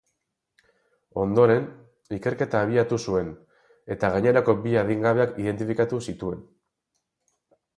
Ondoren, ikerketa abiatu zuen, eta gainerako bi adingabeak identifikatu zituen.